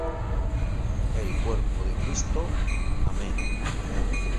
El Cuerpo de Cristo. Amén.